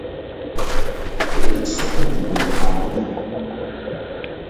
Ke ƴo sɔk nzukri ɓahri.